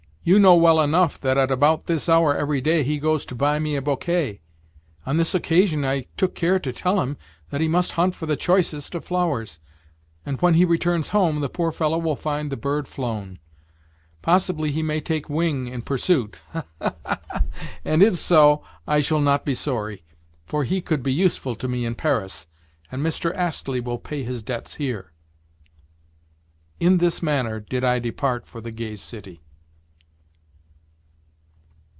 You know well enough that at about this hour every day he goes to buy me a bouquet. On this occasion, I took care to tell him that he must hunt for the choicest of flowers; and when he returns home, the poor fellow will find the bird flown. Possibly he may take wing in pursuit—ha, ha, ha! And if so, I shall not be sorry, for he could be useful to me in Paris, and Mr. Astley will pay his debts here." In this manner did I depart for the Gay City.